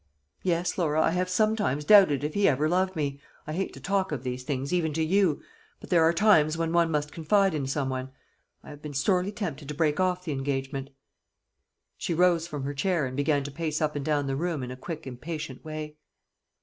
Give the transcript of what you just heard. Yes, Laura, I have sometimes doubted if he ever loved me I hate to talk of these things, even to you; but there are times when one must confide in some one and I have been sorely tempted to break off the engagement." She rose from her chair, and began to pace up and down the room in a quick impatient way.